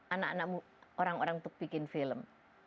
anak anak orang orang untuk bikin film